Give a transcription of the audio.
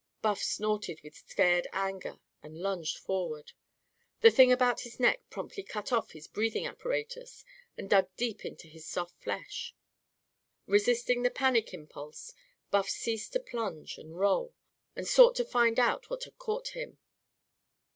Buff snorted with scared anger and lunged forward. The thing about his neck promptly cut off his breathing apparatus, and dug deep into his soft flesh. Resisting the panic impulse, Buff ceased to plunge and roll, and sought to find out what had caught him.